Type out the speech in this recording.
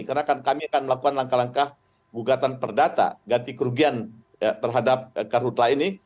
karena kami akan melakukan langkah langkah bugatan perdata ganti kerugian terhadap kartu telah ini